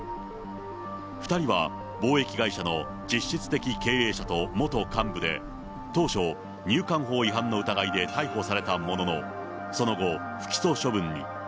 ２人は貿易会社の実質的経営者と元幹部で、当初、入管法違反の疑いで逮捕されたものの、その後、不起訴処分に。